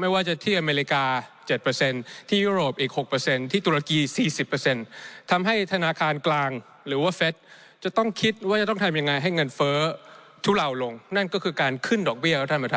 ไม่ว่าจะที่อเมริกา๗ที่ยุโรปอีก๖ที่ตุรกี๔๐